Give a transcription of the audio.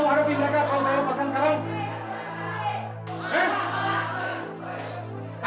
kamu dengar dia akan teriakan di luar sana